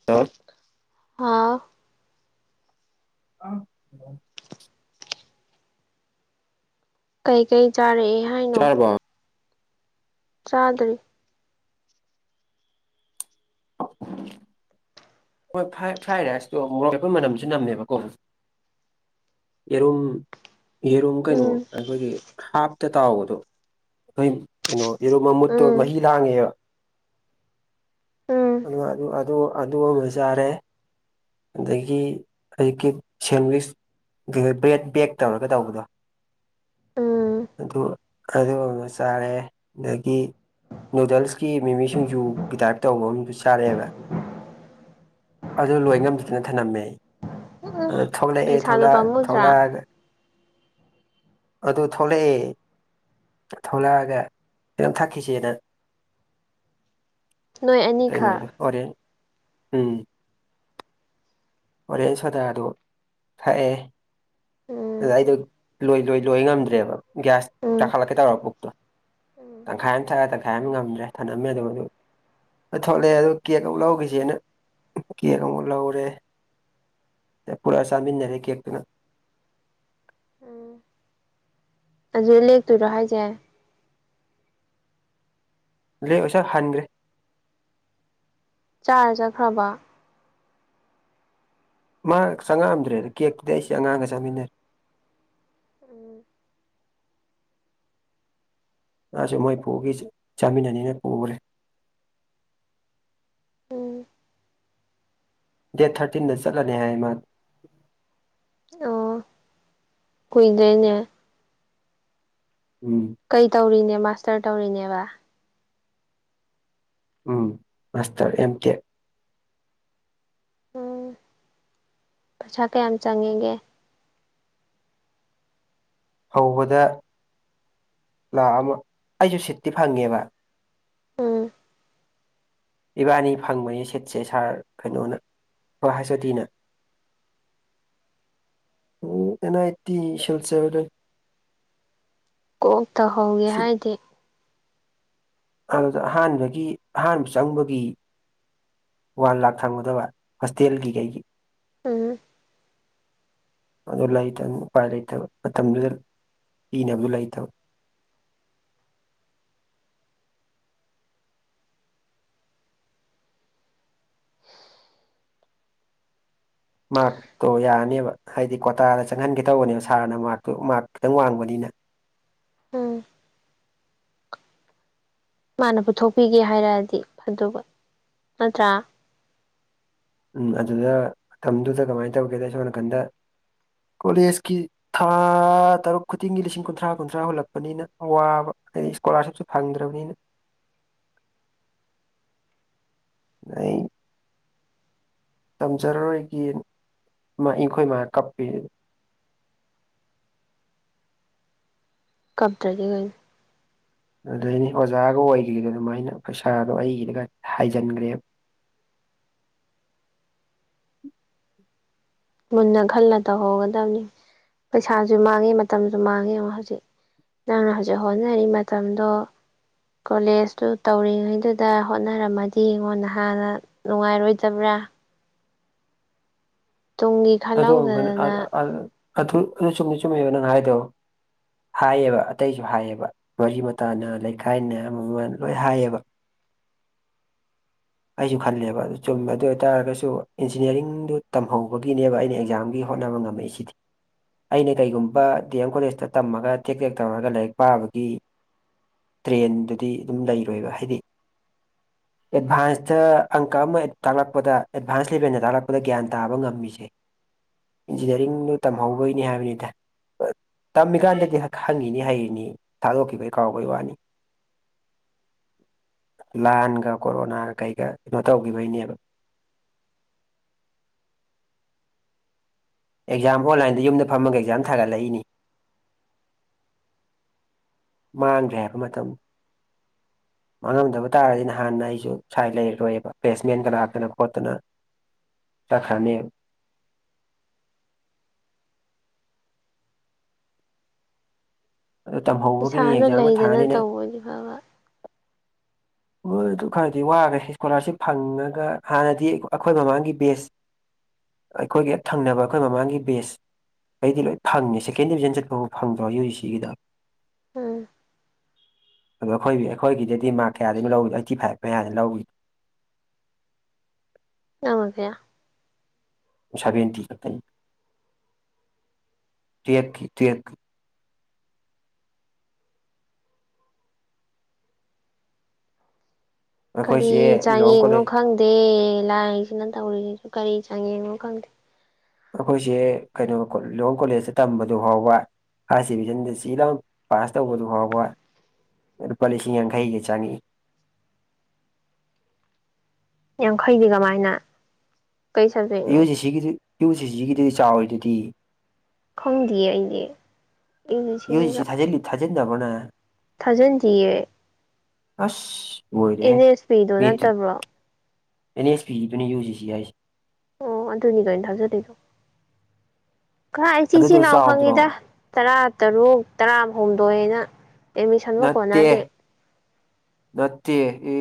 [unintelligible] ꯍꯥꯥꯎ ꯑ [unintelligible] ꯀꯩ ꯀꯩ ꯆꯥꯔꯛꯢ ꯆꯥꯔꯤꯕꯣ ꯆꯥꯗ꯭ꯔꯤ [inaudible] ꯍꯣꯏ ꯐ꯭ꯔꯥꯏ ꯐ꯭ꯔꯥꯏ ꯔꯥꯏꯁꯇꯣ ꯃꯣꯔꯣꯛꯄꯦꯠꯄ ꯃꯅꯝꯁꯨ ꯅꯝꯃꯦꯕꯀꯣ ꯌꯦꯔꯨꯝ ꯌꯦꯔꯨꯝ ꯀꯩꯅꯣ ꯎꯝ ꯑꯩꯈꯣꯏꯒꯤ ꯍꯥꯞꯇ ꯇꯥꯎꯕꯗꯣ [unintelligible] ꯀꯩꯅꯣ ꯌꯦꯔꯨꯝ ꯃꯃꯨꯠꯇꯣ ꯎꯝ ꯃꯍꯤ ꯂꯥꯡꯉꯦꯔꯣ ꯎꯝ [unintelligible] ꯑꯗꯨ ꯑꯗꯨ ꯑꯃ ꯆꯥꯔꯦ ꯑꯗꯒꯤ ꯑꯌꯨꯛꯀꯤ ꯁꯦꯟꯋꯤꯁ [unintelligible] [inaudible] ꯕꯦꯛ ꯕꯦꯛ ꯇꯧꯔꯒ ꯇꯧꯕꯗꯣ ꯎꯝ ꯑꯗꯨ ꯑꯗꯨ ꯑꯃ ꯆꯥꯔꯦ ꯗꯥꯒꯤ ꯅꯨꯗꯜꯁꯀꯤ ꯃꯤꯃꯤ ꯁꯤꯡꯖꯨꯒꯤ ꯇꯥꯏꯞ ꯇꯧꯕ ꯑꯃ ꯗꯨ ꯆꯥꯔꯛꯑꯦꯕꯥ ꯑꯗꯨ ꯂꯣꯏ ꯉꯝꯗꯗꯅ ꯊꯅꯝꯃꯦ ꯑꯩ ꯎꯝ ꯑꯗꯨ ꯊꯣꯛꯂꯛꯑꯦ ꯄꯩꯁꯥꯗꯣ ꯊꯣꯛꯂꯛ ꯄꯥꯝꯃꯨꯗ꯭ꯔꯥ ꯊꯣꯛꯂꯛꯑꯒ ꯑꯗꯨ ꯊꯣꯛꯂꯛꯑꯦ ꯊꯣꯛꯂꯛꯑꯒ ꯀꯩꯅꯣꯝ ꯊꯛꯈꯤꯁꯦꯅ [inaudible] ꯑꯅꯤꯈꯛ ꯀꯩꯅꯣꯗꯨ ꯑꯣꯔꯦꯟ ꯎꯝ ꯑꯣꯔꯦꯟꯖ ꯁꯣꯗꯥꯗꯣ ꯊꯛꯑꯦ ꯎꯝ ꯑꯗꯨꯗ ꯑꯩꯗꯣ ꯂꯣꯏ ꯂꯣꯏ ꯂꯣꯏ ꯉꯝꯗ꯭ꯔꯦꯕ ꯒ꯭ꯌꯥꯁ ꯎꯝ ꯀꯥꯈꯠꯂꯛꯀꯦ ꯇꯧꯕ ꯄꯨꯛꯇꯨ ꯎꯝ ꯇꯪꯈꯥꯏ ꯑꯃ ꯊꯛꯂꯦ ꯇꯪꯈꯥꯏ ꯑꯃ ꯉꯝꯗ꯭ꯔꯦ ꯊꯅꯝꯃꯦ ꯑꯗꯨꯝ ꯑꯗꯨ ꯑꯗꯨ ꯊꯣꯛꯂꯛꯑꯦ ꯑꯗꯨ ꯀꯦꯟ ꯑꯃꯨꯛ ꯂꯧꯈꯤꯁꯦꯅ ꯀꯦꯟ ꯑꯃꯨꯛ ꯂꯧꯔꯦ ꯄꯨꯔꯑ ꯆꯥꯃꯤꯟꯅꯔꯦ ꯀꯦꯛ ꯗꯨꯅ ꯎꯝ ꯑꯗꯨꯗ ꯂꯦꯛꯇꯣꯏꯔꯣ ꯍꯥꯏꯁꯦ ꯂꯦꯛꯑꯣꯏꯁꯦ ꯍꯟꯈ꯭ꯔꯦ ꯆꯥꯔ ꯆꯠꯈ꯭ꯔꯕ ꯃꯥ ꯆꯪꯉꯛꯑꯝꯗ꯭ꯔꯦꯗ ꯀꯦꯛꯇꯨꯗꯤ ꯑꯩꯁꯦ ꯑꯆꯥꯡꯒ ꯆꯥꯃꯤꯟꯅꯔꯦ ꯎꯝ ꯃꯥꯁꯨ ꯃꯣꯏ ꯄꯨꯒꯤꯁꯨ ꯆꯥꯃꯤꯟꯅꯅꯤꯅ ꯄꯨꯈꯔꯦ ꯎꯝ ꯗꯦꯠ ꯊꯥꯔꯇꯤꯟꯗ ꯆꯠꯂꯅꯤ ꯍꯥꯏ ꯃꯥ ꯑꯣ ꯀꯨꯏꯗꯔꯦꯅꯦ ꯎꯝ ꯀꯩ ꯇꯧꯔꯤꯅꯦ ꯃꯥꯁꯇꯔ ꯇꯧꯔꯤꯅꯦꯕ ꯎꯝ ꯃꯥꯁꯇꯔ ꯑꯦꯝ ꯇꯦꯛ ꯎꯝ ꯄꯩꯁꯥ ꯀꯌꯥꯝ ꯆꯪꯉꯦꯒꯦ ꯍꯧꯕꯗ ꯂꯥꯛ ꯑꯃ ꯑꯩꯁꯨ ꯁꯤꯠꯇꯤ ꯐꯪꯉꯦꯕ ꯎꯝ ꯏꯕꯥꯅꯤ ꯐꯪꯕꯅꯦ ꯁꯤꯠꯁꯦ ꯁꯥꯔ ꯀꯩꯅꯣꯅ ꯍꯌꯁ ꯑꯣ ꯗꯤꯅ [inaudible] ꯎꯝ ꯑꯦꯟ ꯑꯥꯢ ꯇꯤ ꯁꯤꯜꯆꯔꯗ ꯀꯣꯛ ꯇꯧꯍꯧꯒꯦ ꯁꯤꯠ ꯍꯥꯏꯗꯤ ꯑꯗꯨꯗ ꯑꯍꯥꯟꯕꯗꯒꯤ ꯑꯍꯥꯟꯕ ꯆꯪꯕꯒꯤ ꯋꯥꯟ ꯂꯥꯛ ꯊꯝꯒꯗꯕ ꯍꯣꯁꯇꯦꯜꯒꯤ ꯀꯩꯒꯤ ꯎꯝ ꯑꯗꯨ ꯂꯩꯇꯅ ꯎꯄꯥꯏ ꯂꯩꯇꯕ ꯃꯇꯝꯗꯨꯗ ꯄꯤꯅꯕꯗꯨ ꯂꯩꯇꯕ ꯃꯥꯔꯛꯇꯣ ꯌꯥꯔꯅꯦꯕ ꯍꯥꯏꯗꯤ ꯀ꯭ꯋꯥꯇꯥꯗ ꯆꯪꯍꯟꯒꯦ ꯇꯧꯕꯅꯦꯕ ꯁꯥꯔꯅ ꯃꯥꯔꯛꯇꯨ ꯃꯥꯔꯛ ꯈꯤꯇꯪ ꯋꯥꯡꯕꯅꯤꯅ ꯎꯝ ꯃꯥꯅ ꯄꯨꯊꯣꯛꯄꯤꯒꯦ ꯍꯥꯏꯔꯛꯑꯗꯤ ꯐꯗꯨꯕ ꯅꯠꯇ꯭ꯔꯥ ꯎꯝ ꯑꯗꯨꯗ ꯃꯇꯝꯗꯨꯗ ꯀꯃꯥꯏꯅ ꯇꯧꯒꯦꯗ ꯁꯣꯝ ꯅꯥꯀꯟꯗ ꯀꯣꯂꯦꯖꯀꯤ ꯊꯥ ꯇꯔꯨꯛ ꯈꯨꯗꯤꯡꯒꯤ ꯂꯤꯁꯤꯡ ꯀꯨꯟꯊ꯭ꯔꯥ ꯀꯨꯟꯊ꯭ꯔꯥ ꯍꯨꯜꯂꯛꯄꯅꯤꯅ ꯑꯋꯥꯕ ꯍꯥꯏꯗꯤ ꯏꯁꯀꯣꯂꯥꯔꯁꯤꯞꯁꯨ ꯐꯪꯗ꯭ꯔꯕꯅꯤꯅ ꯅ [unintelligible] ꯇꯝꯖꯔꯔꯣꯏꯒꯤ ꯑꯩꯈꯣꯏ ꯃꯥꯥ ꯀꯞꯄꯦ ꯀꯞꯇꯔꯗꯤ ꯀꯩꯅꯣ ꯑꯗꯨꯗꯩꯅꯤ ꯑꯣꯖꯥꯒ ꯑꯣꯏꯈꯤꯕꯗꯣ ꯑꯗꯨꯃꯥꯏꯅ ꯄꯩꯁꯥꯗꯣ ꯑꯩꯒꯤꯗꯒ ꯍꯥꯏꯖꯤꯟꯈ꯭ꯔꯦꯕ ꯃꯨꯟꯅ ꯈꯜꯂ ꯇꯧꯍꯧꯒꯗꯕꯅꯤ ꯄꯩꯁꯥꯁꯨ ꯃꯥꯡꯉꯤ ꯃꯇꯝꯁꯨ ꯃꯥꯡꯉꯦ ꯍꯧꯖꯤꯛ ꯅꯪꯅ ꯍꯧꯖꯤꯛ ꯍꯣꯠꯅꯔꯤ ꯃꯇꯝꯗꯣ ꯀꯣꯂꯦꯖꯇꯨ ꯇꯧꯔꯤꯉꯩꯗꯨꯗ ꯍꯣꯠꯅꯔꯝꯃꯗꯤ ꯌꯦꯡꯉꯣ ꯅꯍꯟꯅ ꯅꯨꯡꯉꯥꯏꯔꯣꯏꯗꯕ꯭ꯔꯥ ꯇꯨꯡꯒꯤ ꯑꯗꯨ ꯑꯃꯨꯛꯀꯅ ꯈꯜꯍꯧꯗꯗꯅ ꯑ ꯑꯊꯨ ꯑꯗꯨ ꯆꯨꯝꯗꯤ ꯆꯨꯝꯃꯦꯕ ꯅꯪ ꯍꯥꯏꯗꯣ ꯍꯥꯏꯌꯦꯕ ꯑꯇꯩꯁꯨ ꯍꯥꯏꯌꯦꯕ ꯃꯔꯤ ꯃꯇꯥꯅ ꯂꯩꯀꯥꯏꯅ ꯑꯃꯃꯟ ꯂꯣꯏ ꯍꯥꯏꯌꯦꯕ [unintelligible] ꯑꯩꯁꯨ ꯈꯜꯂꯦꯕ ꯑꯗꯨ ꯆꯨꯝꯃꯦ ꯑꯗꯨ ꯑꯣꯏꯇꯥꯔꯒꯁꯨ ꯏꯟꯖꯤꯅꯤꯌꯥꯔꯤꯡꯗꯨ ꯇꯝꯍꯧꯕ ꯒꯤꯅꯦꯕ ꯑꯩꯅ ꯑꯦꯛꯖꯥꯝꯒꯤ ꯍꯣꯠꯅꯕ ꯉꯝꯃꯛꯏꯁꯤꯗꯤ ꯑꯩꯅ ꯀꯩꯒꯨꯝꯕ ꯗꯤ ꯑꯦꯝ ꯀꯣꯂꯦꯖꯇ ꯇꯝꯃꯒ ꯇꯦꯛ ꯇꯦꯛ ꯇꯧꯔꯒ ꯂꯥꯏꯔꯤꯛ ꯄꯥꯕꯒꯤ ꯇ꯭ꯔꯦꯟꯗꯨꯗꯤ ꯑꯗꯨꯝ ꯂꯩꯔꯣꯏꯕ ꯍꯥꯏꯗꯤ [unintelligible] ꯑꯦꯗꯚꯥꯟꯁꯇ ꯑꯪꯀ ꯑꯃ ꯍꯦꯛ ꯇꯥꯛꯂꯛꯄꯗ ꯑꯦꯗꯚꯥꯟꯁ ꯂꯦꯚꯦꯜꯗ ꯇꯥꯛꯂꯛꯄꯗ ꯒ꯭ꯌꯥꯟ ꯇꯥꯕ ꯉꯝꯃꯤꯁꯦ ꯏꯟꯖꯤꯅꯤꯌꯥꯔꯤꯡꯗꯣ ꯇꯝꯍꯧꯕꯒꯤꯅꯤ ꯍꯥꯏꯕꯅꯤꯗ ꯇꯝꯃꯤꯀꯥꯟꯗꯗꯤ ꯍꯪꯉꯤꯅꯤ ꯍꯩꯔꯤꯅꯤ ꯊꯥꯗꯣꯛꯈꯤꯕꯒꯤ ꯀꯥꯎꯕꯩ ꯋꯥꯅꯤ ꯂꯥꯟꯒ ꯀꯣꯔꯣꯅꯥꯒ ꯀꯩꯒ ꯀꯩꯅꯣ ꯇꯧꯈꯤꯕꯒꯤꯅꯦꯕ ꯑꯦꯛꯖꯥꯝ ꯑꯣꯟꯂꯥꯏꯗ ꯌꯨꯝꯗ ꯐꯝꯃꯒ ꯑꯦꯛꯖꯥꯝ ꯊꯥꯒꯠꯂꯛꯏꯅꯤ ꯃꯥꯡꯒ꯭ꯔꯦ ꯍꯥꯏꯕ ꯃꯇꯝ [unintelligible] ꯃꯥꯡꯉꯝꯗꯕ ꯇꯥꯔꯗꯤ ꯅꯍꯥꯟꯅ ꯑꯩꯁꯨ ꯁꯥꯏ ꯂꯩꯔꯔꯣꯏꯕ ꯄ꯭ꯂꯦꯁꯃꯦꯟꯒ ꯂꯥꯛꯇꯅ ꯈꯣꯠꯇꯅ ꯇꯠꯈꯅꯦꯕ ꯑꯗꯨ ꯇꯝꯍꯧꯕꯒꯤꯅꯤ ꯄꯩꯁꯥꯅ ꯑꯦꯛꯖꯥꯝꯒ ꯂꯩꯗꯅ ꯊꯥꯅꯤꯅ ꯇꯧꯕ ꯑꯣꯏꯗꯤ ꯐꯕ ꯃꯣꯏ ꯑꯗꯨ ꯈꯔꯗꯤ ꯋꯥꯈ꯭ꯔꯦ ꯏꯁꯀꯣꯂꯥꯔꯁꯤꯞ ꯐꯪꯉꯒ ꯍꯥꯟꯅꯗꯤ ꯑꯈꯣꯏ ꯃꯃꯥꯡꯒꯤ ꯕꯦꯁ ꯑꯩꯈꯣꯏꯒꯤ ꯍꯦꯛ ꯊꯪꯅꯕ ꯑꯩꯈꯣꯏ ꯃꯃꯥꯡꯒꯤ ꯕꯦꯁ ꯈꯩꯗꯤ ꯂꯣꯏ ꯐꯪꯉꯦ ꯁꯦꯀꯦꯟ ꯗꯤꯕꯤꯖꯟ ꯆꯠꯄꯐꯥꯎ ꯐꯪꯗ꯭ꯔꯣ ꯌꯨ ꯁꯤꯒꯤꯗꯣ ꯎꯝ ꯑꯗꯣ ꯑꯩꯈꯣꯏ ꯑꯩꯈꯣꯏꯒꯤꯗꯗꯤ ꯃꯥꯔꯛ ꯀꯌꯥꯗꯒꯤꯅꯣ ꯂꯧꯔꯤꯗꯣ ꯑꯥꯏꯇꯤ ꯐꯥꯏꯚ ꯃꯌꯥꯅꯦ ꯂꯧꯒꯤ ꯂꯧꯗ꯭ꯔꯗꯤ ꯁꯕꯦꯟꯇꯤ ꯈꯛꯇꯅꯤ ꯇꯨꯋꯦꯜꯐꯀꯤ ꯇꯨꯋꯦꯜꯐ ꯀꯔꯤ ꯑꯩꯈꯣꯏꯁꯦ ꯂꯨꯋꯥꯡ ꯆꯥꯡꯌꯦꯡꯅꯣ ꯀꯣꯂꯦꯖ ꯈꯪꯗꯦ ꯂꯥꯏꯁꯤꯅ ꯇꯧꯔꯤꯁꯤꯁꯨ ꯀꯔꯤ ꯆꯥꯡꯌꯦꯡꯅꯣ ꯈꯪꯗꯦ ꯑꯩꯈꯣꯏꯁꯦ ꯀꯩꯅꯣ ꯂꯨꯋꯥꯡ ꯀꯣꯂꯦꯖꯇ ꯇꯝꯕꯗꯨ ꯐꯥꯎꯕ ꯐꯥꯔꯁ ꯗꯤꯕꯤꯖꯟꯗ ꯆꯤ ꯂꯥꯎꯅ ꯄꯥꯁ ꯇꯧꯕꯗꯨ ꯐꯥꯎꯕ ꯂꯨꯄꯥ ꯂꯤꯁꯤꯡ ꯌꯥꯡꯈꯩꯒ ꯆꯪꯉꯛꯏ ꯌꯥꯡꯈꯩꯗꯤ ꯀꯃꯥꯏꯅ ꯀꯩ ꯁꯕꯖꯦꯛꯅꯣ ꯌꯨꯖꯤꯁꯤꯒꯤꯗꯤ ꯌꯨꯖꯤꯁꯤꯒꯤꯗꯨꯗꯤ ꯆꯥꯎꯔꯤꯗꯨꯗꯤ ꯈꯪꯗꯤꯌꯦ ꯑꯩꯗꯤ ꯑꯩꯒꯤ ꯁꯤꯅꯤꯒ ꯊꯥꯖꯤꯟꯗꯕꯣ ꯅꯪ ꯊꯥꯖꯤꯟꯗꯤꯌꯦ ꯑꯁ ꯂꯣꯏꯔꯦꯍꯦ ꯑꯦꯟ ꯑꯦꯁ ꯄꯤꯗꯣ ꯃꯦꯇꯤꯛ ꯅꯠꯇꯕ꯭ꯔꯣ ꯑꯦꯟ ꯑꯦꯁ ꯄꯤꯒꯤꯗꯨꯅꯤ ꯌꯨꯖꯤꯁꯤ ꯍꯥꯏꯖꯦ ꯑꯣ ꯑꯗꯨꯅꯤ ꯀꯩꯅꯣ ꯊꯥꯖꯤꯜꯂꯤꯗꯣ ꯀꯔꯥꯏ ꯆꯤꯆꯤ ꯑꯗꯨꯗꯣ ꯂꯥꯎꯅ ꯆꯥꯎꯗ꯭ꯔꯣ ꯐꯪꯉꯤꯗ ꯇꯔꯥ ꯇꯔꯨꯛ ꯇꯔꯥꯍꯨꯝꯗꯣꯏꯅ ꯑꯦꯠꯃꯤꯁꯟꯕꯧ ꯅꯠꯇꯦ ꯀꯣꯟꯅꯗꯦ ꯅꯠꯇꯦꯑꯦ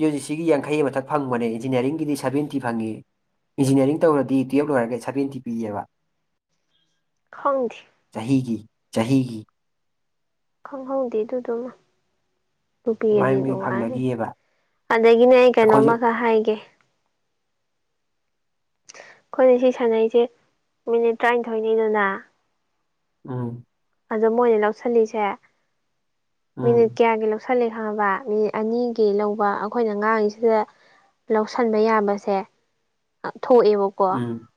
ꯌꯨ ꯖꯤ ꯁꯤꯒꯤ ꯌꯥꯡꯈꯩ ꯑꯃꯊꯛ ꯐꯪꯕꯅꯦ ꯏꯟꯖꯤꯅꯤꯌꯥꯔꯤꯡꯒꯤꯗꯤ ꯁꯕꯦꯟꯇꯤ ꯐꯪꯏ ꯏꯟꯖꯤꯅꯤꯌꯥꯔꯤꯡ ꯇꯧꯔꯗꯤ ꯇꯨꯌꯦꯜꯞ ꯂꯣꯏꯔꯒ ꯁꯕꯦꯟꯇꯤ ꯄꯤꯌꯦꯕ ꯈꯪꯗꯦ ꯆꯍꯤꯒꯤ ꯆꯍꯤꯒꯤ ꯈꯪꯍꯧꯗꯦ ꯑꯗꯨꯗꯨꯃ ꯑꯗꯨ ꯄꯤꯔꯗꯤ ꯑꯗꯨꯃꯥꯏꯅ ꯃꯤ ꯅꯨꯡꯉꯥꯏꯔꯦ ꯐꯪꯅꯈꯤꯑꯕ ꯑꯗꯒꯤꯅꯦ ꯑꯩ ꯑꯩꯈꯣꯏꯁꯨ ꯀꯩꯅꯣꯝꯃꯒ ꯍꯥꯏꯒꯦ ꯑꯩꯈꯣꯏꯅ ꯁꯤ ꯁꯥꯟꯅꯩꯁꯦ ꯃꯤꯅꯤꯠ ꯇꯔꯥꯅꯤꯊꯣꯏꯅꯤꯗꯅ ꯎꯝ ꯑꯗꯣ ꯃꯣꯏꯅ ꯂꯧꯁꯤꯜꯂꯤꯁꯦ ꯃꯤꯅꯤꯠ ꯎꯝ ꯀꯌꯥꯒꯤ ꯂꯧ ꯁꯜꯂꯦ ꯈꯪꯉꯕ ꯃꯤꯅꯤꯠ ꯑꯅꯤꯒꯤ ꯂꯧꯕ ꯑꯩꯈꯣꯏꯅ ꯉꯥꯡꯉꯤꯁꯤꯗ ꯂꯧꯁꯤꯟꯕ ꯌꯥꯕꯁꯦ ꯊꯣꯛꯑꯦꯕ ꯎꯝ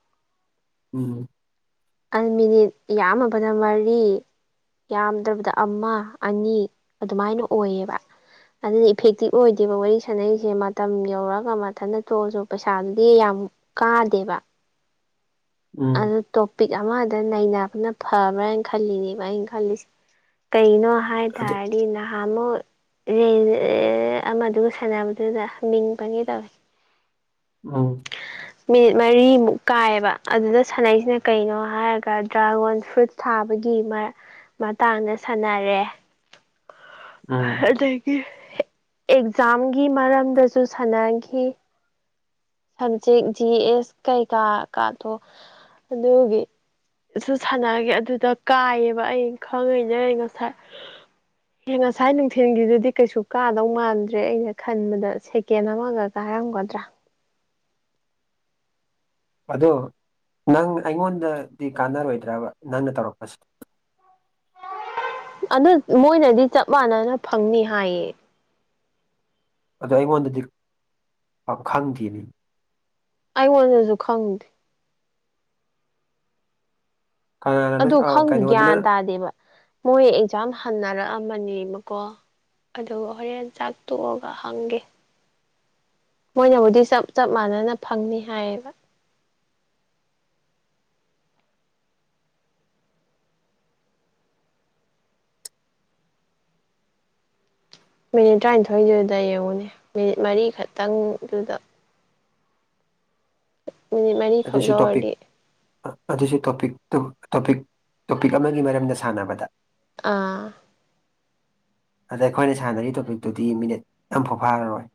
ꯎꯝ ꯑꯅꯤꯒꯤ ꯌꯥꯝꯃꯕꯗ ꯃꯔꯤ ꯌꯥꯝꯗ꯭ꯔꯕꯗ ꯑꯃ ꯑꯅꯤ ꯑꯗꯨꯃꯥꯏꯅ ꯑꯣꯏꯌꯦꯕ ꯑꯗꯨꯅ ꯏꯐꯦꯛꯇꯤꯞ ꯑꯣꯏꯗꯦꯕ ꯋꯥꯔꯤ ꯁꯥꯟꯅꯔꯤꯁꯦ ꯃꯇꯝ ꯌꯧꯔꯒ ꯃꯊꯟꯇ ꯇꯣꯛꯑꯁꯨ ꯄꯩꯁꯥꯗꯨꯗꯤ ꯌꯥꯝ ꯀꯥꯗꯦꯕ ꯎꯝ ꯑꯗꯨ ꯇꯣꯄꯤꯛ ꯑꯃꯗ ꯅꯩꯅꯕꯅ ꯐꯕ꯭ꯔꯅ ꯈꯜꯂꯤꯅꯦꯕ ꯑꯩꯅ ꯈꯜꯂꯤꯁꯦ ꯀꯩꯒꯤꯅꯣ ꯍꯥꯏ ꯑꯗꯨ ꯇꯥꯔꯗꯤ ꯅꯍꯥꯟ ꯅꯍꯥꯟꯃꯨꯛ ꯔꯦꯟ ꯑꯃꯗꯨꯒ ꯁꯥꯟꯅꯕꯗꯨꯗ ꯃꯤꯡ ꯄꯟꯒꯦ ꯇꯧꯏ ꯎꯝ ꯃꯤꯅꯤꯠ ꯃꯔꯤꯃꯨꯛ ꯀꯥꯏꯑꯕ ꯑꯗꯨꯗ ꯁꯥꯟꯅꯩꯁꯤꯅ ꯀꯩꯅꯣ ꯍꯥꯏꯔꯒ ꯗ꯭ꯔꯥꯒꯣꯟ ꯐ꯭ꯔꯨꯠ ꯊꯥꯕꯒꯤ ꯃ ꯃꯇꯥꯡꯗ ꯁꯥꯟꯅꯔꯦ ꯎꯝ ꯑꯗꯒꯤ ꯑꯦꯛꯖꯥꯝꯒꯤ ꯃꯔꯝꯗꯖꯨ ꯁꯥꯟꯅꯈꯤ ꯍꯟꯆꯤꯠ ꯖꯤ ꯑꯦꯁ ꯀꯩꯀꯥ ꯀꯥꯗꯣ ꯑꯗꯨꯒꯤ ꯁꯨ ꯁꯥꯟꯅꯒꯦ ꯑꯗꯨꯗ ꯀꯥꯏꯌꯦꯕ ꯑꯩ ꯈꯪꯉꯤꯅꯦ ꯉꯁꯥꯏ ꯑꯦꯍ ꯉꯁꯥꯏ ꯅꯨꯡꯊꯤꯟꯒꯤꯗꯨꯗꯤ ꯀꯩꯁꯨ ꯀꯥꯗꯧ ꯃꯥꯟꯗ꯭ꯔꯦ ꯑꯩꯅ ꯈꯟꯕꯗ ꯁꯦꯀꯦꯟ ꯑꯃꯒ ꯀꯥꯔꯝꯒꯗ꯭ꯔꯥ ꯑꯗꯣ ꯅꯪ ꯑꯩꯉꯣꯟꯗꯗꯤ ꯀꯥꯟꯅꯔꯣꯏꯗ꯭ꯔꯕ ꯅꯪꯅ ꯇꯧꯔꯛꯄꯁꯤ ꯑꯗꯨ ꯃꯣꯏꯅꯗꯤ ꯆꯞ ꯃꯥꯟꯅꯅ ꯐꯪꯅꯤ ꯍꯥꯏꯌꯦ ꯑꯗꯣ ꯑꯩꯉꯣꯟꯗꯗꯤ ꯄꯥꯠ ꯈꯪꯗꯦꯅꯦ ꯑꯩꯉꯣꯟꯗꯖꯨ ꯈꯪꯗꯦ ꯀꯅꯥꯅꯣ ꯑꯗꯨ ꯑ ꯈꯪꯗꯦ ꯀꯩꯅꯣꯗꯨꯅ ꯒ꯭ꯌꯥꯟ ꯇꯥꯗꯦꯕ ꯃꯣꯏ ꯑꯦꯛꯖꯥꯝ ꯍꯟꯅꯔꯛꯑꯝꯕꯅꯦꯕꯀꯣ ꯑꯗꯨꯒ ꯍꯣꯔꯦꯟ ꯆꯥꯛ ꯇꯣꯛꯑꯒ ꯍꯪꯒꯦ ꯃꯣꯏꯅꯕꯨꯗꯤ ꯆꯞ ꯆꯞ ꯃꯥꯟꯅꯅ ꯐꯪꯅꯤ ꯍꯥꯏꯌꯦꯕ ꯃꯤꯅꯤꯠ ꯇꯔꯥꯅꯤꯊꯣꯏꯗꯨꯗ ꯌꯦꯡꯉꯨꯅꯦ ꯃꯤꯅꯤꯠ ꯃꯔꯤ ꯈꯛꯇꯪꯗꯨꯗ ꯃꯤꯅꯤꯠ ꯃꯔꯤꯈꯛ ꯇꯗꯁꯨ ꯇꯣꯄꯤꯛ ꯂꯧꯔꯗꯤ ꯑꯗꯨꯁꯨ ꯇꯣꯄꯤꯛꯇꯨ ꯇꯣꯄꯤꯛ ꯇꯣꯄꯤꯛ ꯑꯃꯒꯤ ꯃꯔꯝꯗ ꯁꯥꯟꯅꯕꯗ ꯑꯥ ꯑꯗ ꯑꯩꯈꯣꯏꯅ ꯁꯥꯟꯅꯔꯤ ꯇꯣꯄꯤꯛꯇꯨꯗꯤ ꯃꯤꯅꯤꯠ ꯑꯃꯝꯐꯥꯎ ꯐꯥꯔꯔꯣꯏ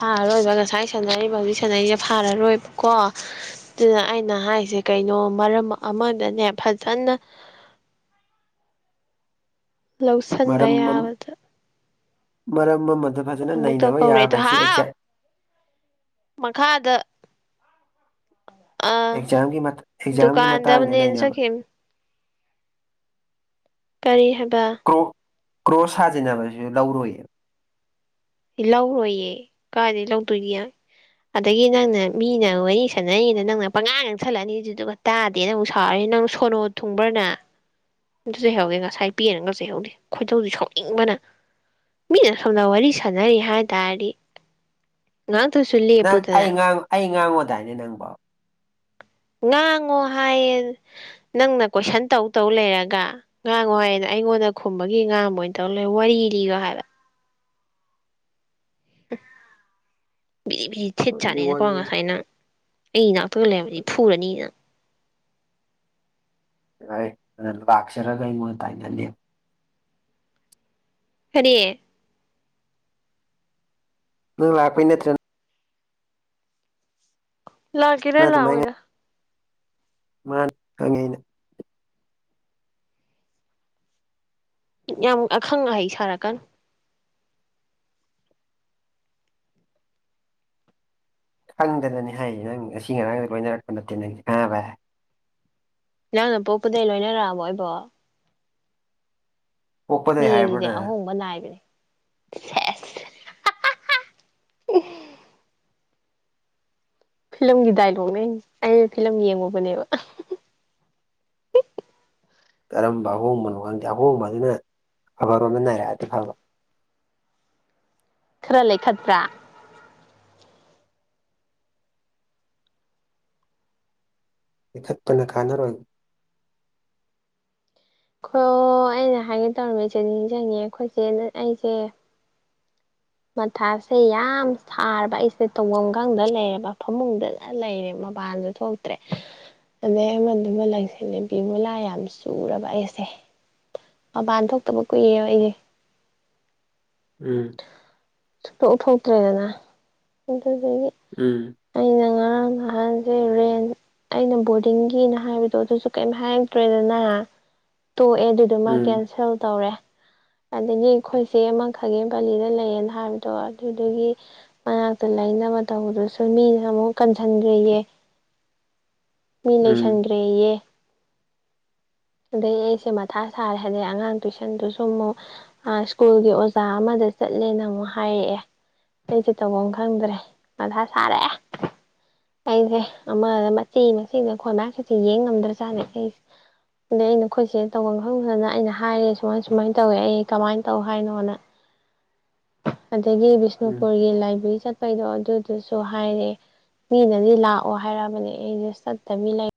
ꯐꯥꯔꯔꯣꯏꯕ ꯉꯁꯥꯏ ꯁꯥꯟꯅꯔꯤꯕ ꯍꯧꯖꯤꯛ ꯁꯥꯟꯅꯔꯤꯁꯦ ꯐꯥꯔꯔꯣꯏꯕꯀꯣ ꯑꯗꯨꯗ ꯑꯩꯅ ꯍꯥꯏꯁꯦ ꯀꯩꯅꯣ ꯃꯔꯝ ꯑꯃꯗꯅꯦ ꯐꯖꯅ ꯂꯧꯁꯤꯟꯕ ꯃꯔꯝ ꯌꯥꯕꯗ ꯃꯔꯝ ꯑꯃꯗ ꯐꯖꯅ ꯑꯃꯨꯛꯇ ꯅꯩꯅꯕ ꯌꯥꯕ ꯀꯧꯔꯛꯑꯦꯗꯣ ꯍꯥꯏꯁꯤ ꯍꯥꯎ ꯑꯦꯛꯖꯦꯛ ꯃꯈꯥꯗ ꯑ ꯑꯦꯛꯖꯥꯝꯒꯤ ꯃꯠ- ꯑꯦꯛꯖꯥꯝꯒꯤ ꯗꯨꯀꯥꯟꯗ ꯃꯇꯥꯡꯗ ꯑꯃꯅꯦ ꯅꯩꯅꯕ ꯆꯠꯈꯤꯝ ꯀꯔꯤ ꯍꯥꯏꯕ ꯀ꯭ꯔꯣꯛ ꯀ꯭ꯔꯣꯁ ꯁꯥꯖꯤꯟꯅꯕꯁꯨ ꯂꯧꯔꯣꯏꯌꯦꯕ ꯂꯧꯔꯣꯏꯌꯦ ꯀꯥꯏꯗ ꯂꯧꯗꯣꯏꯒ ꯑꯗꯒꯤ ꯅꯪꯅ ꯃꯤꯅ ꯋꯥꯔꯤ ꯁꯥꯟꯅꯔꯤꯉꯩꯗ ꯅꯪꯅ ꯄꯉꯥ ꯉꯥꯡ ꯁꯤꯂꯛꯑꯅꯤ ꯑꯗꯨꯗꯨꯒ ꯇꯥꯗꯦ ꯅ ꯑꯃꯨꯛ ꯁꯥꯎꯔꯦ ꯅꯪ ꯁꯣꯅꯣ ꯊꯨꯡꯕ꯭ꯔꯅ ꯑꯃꯨꯛꯇ ꯆꯩꯍꯧꯒꯦ ꯉꯁꯥꯏ ꯄꯦꯅꯒ ꯆꯩꯍꯧꯗꯦ ꯈꯣꯏꯗꯧꯁꯦ ꯁꯥꯎꯅꯤꯡꯕꯅ ꯃꯤꯅ ꯁꯣꯝꯗ ꯋꯥꯔꯤ ꯁꯥꯟꯅꯔꯤ ꯍꯥꯏ ꯇꯥꯔꯗꯤ ꯅꯥꯍꯥꯛꯇꯁꯨ ꯂꯤ ꯅꯪ ꯑꯩꯥ ꯉꯥꯡ ꯑꯩ ꯉꯥꯡꯉꯣꯗꯥꯏꯅꯦ ꯅꯪꯕꯣ ꯉꯥꯡꯉꯣ ꯍꯥꯏꯌꯦ ꯅꯪꯅ ꯀꯣꯏꯁꯟ ꯇꯧ ꯇꯧ ꯂꯩꯔꯒ ꯉꯥꯡꯉꯣ ꯍꯥꯏꯌꯦꯅ ꯑꯩꯉꯣꯟꯗ ꯈꯨꯝꯕꯒꯤ ꯉꯥꯕ ꯑꯣꯏꯅ ꯇꯧꯔ ꯂꯩꯔꯦ ꯋꯥꯔꯤ ꯂꯤꯌꯣ ꯍꯥꯏꯕ ꯕꯤꯔꯤ ꯕꯤꯔꯤ ꯊꯤꯠ ꯀꯔꯤ ꯆꯥꯠꯅꯤꯀꯣ ꯋꯥꯔꯤꯅꯣ ꯉꯁꯥꯏ ꯅꯪ ꯑꯩꯩꯅ ꯌꯨꯝꯂꯩꯔꯝꯕꯗꯤ ꯐꯨꯨꯔꯅꯤꯅ ꯂꯥꯛꯑꯦ ꯂꯥꯛꯆꯔꯒ ꯑꯩꯉꯣꯟꯗ ꯇꯥꯏꯅꯅꯤ ꯀꯔꯤ ꯅꯪ ꯂꯥꯛꯄꯩ ꯅꯠꯇ꯭ꯔꯥ ꯅ ꯂꯥꯛꯀꯦꯔ ꯂꯥꯛ ꯑꯣꯏꯔ ꯃꯥꯅꯦ ꯈꯪꯉꯦ ꯑꯩꯅ ꯌꯥꯝ ꯑꯈꯪ ꯑꯍꯩ ꯁꯥꯔꯛꯀꯅꯨ ꯈꯪꯗꯅꯅꯤ ꯍꯥꯏꯁꯦ ꯅꯪ ꯉꯁꯤ ꯉꯔꯥꯡꯗ ꯂꯣꯏꯅꯔꯛꯄ ꯅꯠꯇꯦ ꯅꯪꯁꯦ ꯈꯪꯉꯕꯥ ꯅꯪꯅ ꯄꯣꯛꯄꯗꯩ ꯂꯣꯏꯅꯔꯛꯑꯕꯣ ꯑꯣꯏꯕꯣ ꯄꯣꯛꯄꯗꯩ ꯍꯥꯏꯕ꯭ꯔꯣ ꯃꯤꯑꯖꯤꯗꯤ ꯅꯪ ꯑꯍꯣꯡꯕ ꯅꯥꯏꯕꯅꯦ ꯎ ꯐꯤꯂꯝꯒꯤ ꯗꯥꯏꯂꯣꯛꯅꯦ ꯑꯩꯅ ꯐꯤꯂꯝ ꯌꯦꯡꯉꯨꯕꯅꯦꯕ ꯀꯔꯝꯕ ꯑꯍꯣꯡꯕꯅꯣ ꯈꯪꯗꯦ ꯑꯍꯣꯡꯕꯗꯨꯅ ꯑꯐꯕꯔꯣꯝꯗ ꯅꯥꯔꯛꯑꯗꯤ ꯐꯥꯕ ꯈꯔ ꯂꯩꯈꯠꯄ꯭ꯔꯥ ꯂꯩꯈꯠꯞꯅ ꯀꯥꯟꯅꯔꯣꯏꯗ ꯈꯣ ꯑꯩꯅ ꯍꯥꯏꯒꯦ ꯇꯧꯔꯝꯃꯤꯁꯦ ꯅꯤꯡꯖꯡꯉꯛꯑꯦ ꯈꯣꯏ ꯏꯆꯦꯅ ꯑꯩꯁꯦ ꯃꯊꯥꯁꯦ ꯌꯥꯝ ꯁꯥꯔꯕ ꯑꯩꯁꯦ ꯇꯧꯐꯝ ꯈꯪꯗ ꯂꯩꯔꯕ ꯐꯃꯨꯡꯗꯗ ꯂꯩꯔꯦ ꯃꯄꯥꯟꯗ ꯊꯣꯛꯇ꯭ꯔꯦ ꯑꯗꯩ ꯑꯃꯗꯨꯒ ꯂꯩꯁꯜꯂꯦ ꯕꯤꯕꯨꯂꯥ ꯌꯥꯝ ꯆꯨꯔꯕ ꯑꯩꯁꯦ ꯃꯄꯥꯟ ꯊꯣꯛꯇꯕ ꯀꯨꯏꯔꯕ ꯑꯩꯁꯦ ꯎꯝ ꯁꯛꯇꯣꯛꯊꯣꯛꯇ꯭ꯔꯦꯗꯅ ꯑꯗꯨꯗꯒꯤ ꯎꯝ ꯑꯩꯅ ꯉꯔꯥꯡ ꯅꯍꯥꯟꯖꯩ ꯔꯦꯟ ꯑꯩꯅ ꯕꯣꯔꯗꯤꯡꯒꯤꯅ ꯍꯥꯏꯕꯗꯣ ꯑꯗꯨꯁꯨ ꯀꯩꯝ ꯍꯥꯏꯔꯗ꯭ꯔꯦꯗꯅ ꯇꯣꯛꯑꯦ ꯑꯗꯨꯗꯨ ꯃꯥ ꯎꯝ ꯀꯦꯟꯁꯦꯜ ꯇꯧꯔꯦ ꯑꯗꯒꯤ ꯑꯩꯈꯣꯏꯆꯦ ꯑꯃ ꯈꯥꯒꯦꯝ ꯄꯂꯤꯗ ꯂꯩꯌꯦꯅ ꯍꯥꯏꯕꯗꯣ ꯑꯗꯨꯒꯤ ꯃꯅꯥꯛꯇ ꯂꯩꯥꯏꯅꯕ ꯇꯧꯕꯗꯨꯁꯨ ꯃꯤꯅ ꯑꯃꯨꯛ ꯀꯟꯖꯟꯒꯤꯌꯦ ꯃꯤ ꯎꯝ ꯂꯩꯁꯟꯈ꯭ꯔꯦꯌꯦ ꯑꯗꯩ ꯑꯩꯁꯦ ꯃꯊꯥ ꯁꯥꯔꯦ ꯍꯥꯏꯗꯩ ꯑꯉꯥꯡ ꯇꯨꯏꯁꯟꯗꯨꯁꯨ ꯑꯃꯨꯛ ꯑ ꯁ꯭ꯀꯨꯜꯒꯤ ꯑꯣꯖꯥ ꯑꯃꯗ ꯆꯠꯂꯦꯅ ꯑꯃꯨꯛ ꯍꯥꯏꯔꯛꯑꯦ ꯑꯩꯁꯨ ꯇꯧꯐꯝ ꯈꯪꯗ꯭ꯔꯦ ꯃꯊꯥ ꯁꯥꯔꯦ ꯑꯩꯁꯦ ꯑꯃꯗ ꯃꯆꯦ ꯃꯆꯦꯗ ꯈꯣꯏ ꯃꯌꯥꯝꯁꯤꯁꯤ ꯌꯦꯡ ꯉꯝꯗ꯭ꯔꯥ ꯆꯥꯠꯅꯦ ꯑꯩꯁꯦ ꯑꯗꯩ ꯑꯩꯅ ꯅꯈꯣꯏꯁꯦ ꯇꯧꯐꯝ ꯈꯪꯗꯅ ꯑꯩꯅ ꯍꯥꯏꯔꯦ ꯁꯨꯃꯥꯏ ꯁꯨꯃꯥꯏꯅ ꯇꯧꯋꯦ ꯑꯩ ꯀꯃꯥꯏꯅ ꯇꯧ ꯍꯥꯏꯅꯣꯅ ꯑꯗꯒꯤ ꯎꯝ ꯕꯤꯁꯅꯨꯄꯨꯔꯒꯤ ꯂꯥꯏꯕꯦꯔꯤ ꯆꯠ ꯀꯩꯅꯣ ꯑꯗꯨꯗꯨꯁꯨ ꯍꯥꯏꯔꯛꯑꯦ ꯃꯤꯅꯗꯤ ꯂꯥꯛꯑꯣ ꯍꯥꯏꯔꯕꯅꯦ ꯑꯩꯁꯨ ꯆꯠꯇꯕꯤ ꯂꯩ